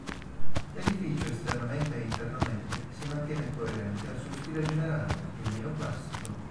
L'edificio, esternamente e internamente, si mantiene coerente al suo stile generale, il neoclassico.